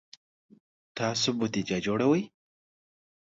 تاسو بودیجه جوړوئ؟